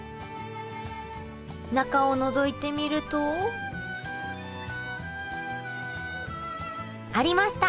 中をのぞいてみるとありました！